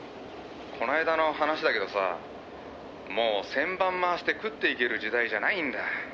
「こないだの話だけどさもう旋盤回して食っていける時代じゃないんだ」